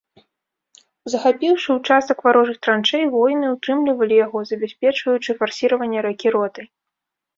Захапіўшы ўчастак варожых траншэй, воіны ўтрымлівалі яго, забяспечваючы фарсіраванне ракі ротай.